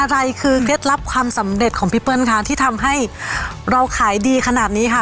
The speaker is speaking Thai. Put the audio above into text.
อะไรคือเคล็ดลับความสำเร็จของพี่เปิ้ลค่ะที่ทำให้เราขายดีขนาดนี้ค่ะ